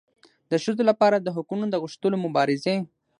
د ښځو لپاره د حقونو د غوښتلو مبارزې